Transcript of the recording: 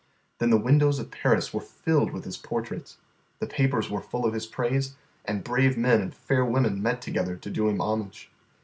Then the windows of Paris were filled with his portraits. The papers were full of his praise, and brave men and fair women met together to do him homage.